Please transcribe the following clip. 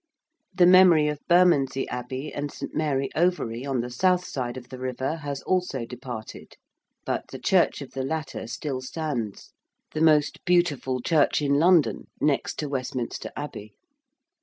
The memory of Bermondsey Abbey and St. Mary Overy on the south side of the river has also departed, but the church of the latter still stands, the most beautiful church in London next to Westminster Abbey.